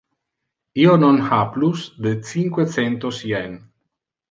Io non ha plus de cinque centos yen.